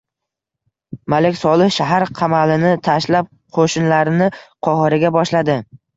Malik Solih shahar qamalini tashlab, qo‘shinlarini Qohiraga boshladi